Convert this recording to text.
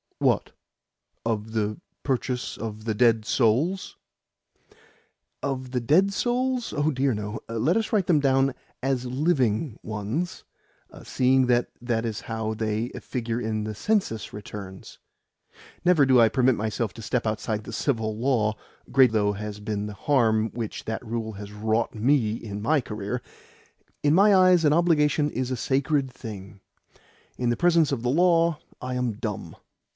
"What? Of the purchase of the dead souls?" "Of the 'dead' souls? Oh dear no! Let us write them down as LIVING ones, seeing that that is how they figure in the census returns. Never do I permit myself to step outside the civil law, great though has been the harm which that rule has wrought me in my career. In my eyes an obligation is a sacred thing. In the presence of the law I am dumb."